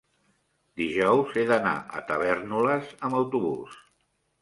dijous he d'anar a Tavèrnoles amb autobús.